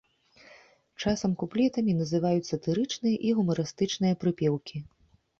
Часам куплетамі называюць сатырычныя і гумарыстычныя прыпеўкі.